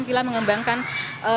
dalam pendidikan saya